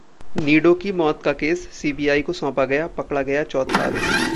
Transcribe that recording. Nido की मौत का केस सीबीआई को सौंपा गया, पकड़ा गया चौथा आरोपी